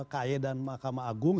kaye dan mahkamah agung